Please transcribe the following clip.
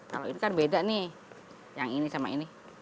kalau ini kan beda nih yang ini sama ini